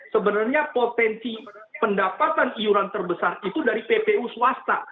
sebenarnya potensi pendapatan iuran terbesar itu dari ppu swasta